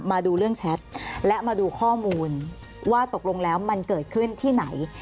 มาดูเรื่องแชทและมาดูข้อมูลว่าตกลงแล้วมันเกิดขึ้นที่ไหน